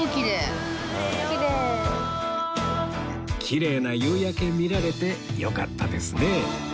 きれいな夕焼け見られてよかったですね